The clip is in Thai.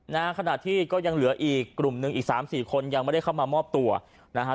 นะฮะขนาดที่ก็ยังเหลืออีกกลุ่มนึงอีก๓๔คนยังไม่ได้เข้ามามอบตัวนะฮะ